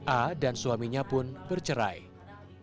a dan suaminya pun tidak bisa berada di rumah